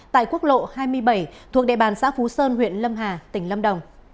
tại quốc lộ hai mươi bảy thuộc địa bàn xã phú sơn huyện lâm hà tỉnh lâm đồng